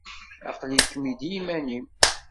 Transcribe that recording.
Aql-ikem-id iman-im.